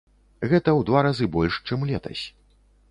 Гэта ў два разы больш, чым летась.